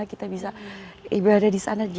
kita bisa ibadah disana